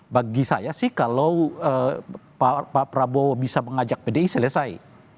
bagi saya sih kalau pak prabowo bisa mengajak pdi selesai